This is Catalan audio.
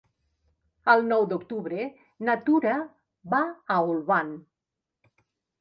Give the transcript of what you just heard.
El nou d'octubre na Tura va a Olvan.